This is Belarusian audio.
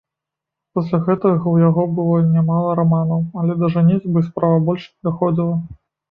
Пасля гэтага ў яго было нямала раманаў, але да жаніцьбы справа больш не даходзіла.